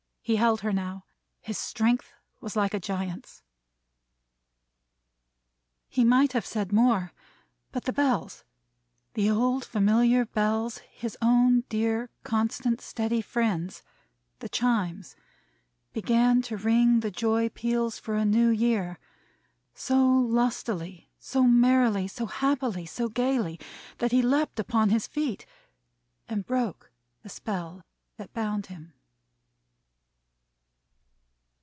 He held her now. His strength was like a giant's. He might have said more; but the Bells, the old familiar Bells, his own dear, constant, steady friends, the Chimes, began to ring the joy peals for a New Year; so lustily, so merrily, so happily, so gayly, that he leapt upon his feet, and broke the spell that bound him.